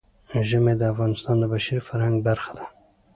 ژمی د افغانستان د بشري فرهنګ برخه ده.